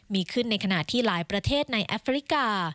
มีขึ้นในขณะที่หลายประเทศในแอฟริกา